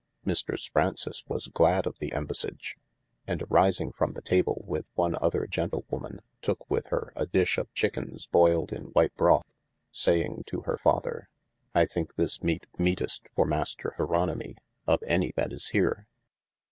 Mistres Fraunces was glad of the ambassege, and arysing from the table with one other gentle[wo]man, tooke with hir a dish of chikins boiled in white broth, saying to hir father : I think this meat meetest for mayster Jeronimy [o]f any that is here.